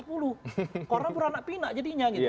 karena beranak pinak jadinya